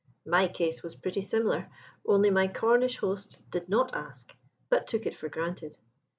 My case was pretty similar, only my Cornish hosts did not ask, but took it for granted.